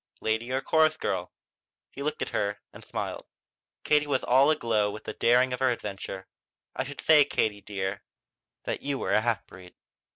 "Lady or chorus girl?" He looked at her and smiled. Katie was all aglow with the daring of her adventure. "I should say, Katie dear, that you were a half breed."